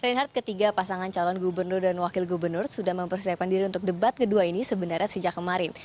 reinhardt ketiga pasangan calon gubernur dan wakil gubernur sudah mempersiapkan diri untuk debat kedua ini sebenarnya sejak kemarin